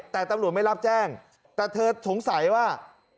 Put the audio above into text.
แต่ตำรวจไม่รับแจ้งแต่เธอสงสัยว่า